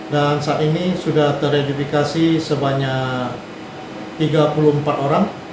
dan saat ini sudah teredifikasi sebanyak tiga puluh empat orang